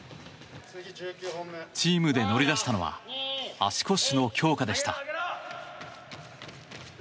チームで乗り出したのは足腰の強化でした。